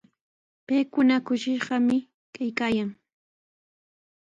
Paykuna kushishqami kaykaayan.